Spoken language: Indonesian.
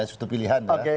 sudut pilihan ya